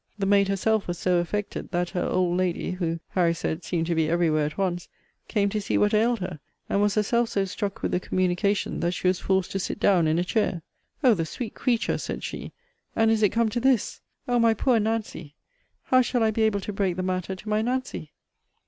The maid herself was so affected, that her old lady (who, Harry said, seemed to be every where at once) came to see what ailed her! and was herself so struck with the communication, that she was forced to sit down in a chair. O the sweet creature! said she, and is it come to this? O my poor Nancy! How shall I be able to break the matter to my Nancy?